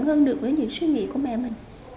hơn được với những suy nghĩ của mẹ mình